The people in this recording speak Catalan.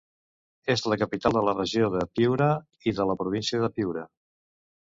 És la capital de la Regió de Piura i de la Província de Piura.